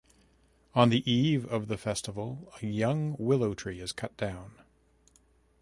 On the eve of the festival a young willow tree is cut down.